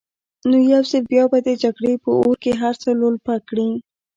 نو يو ځل بيا به د جګړې په اور کې هر څه لولپه کړي.